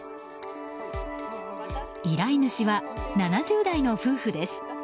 依頼主は７０代の夫婦です。